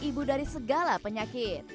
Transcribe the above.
ibu dari segala penyakit